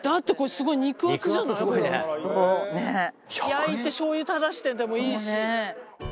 焼いてしょう油垂らしてでもいいし。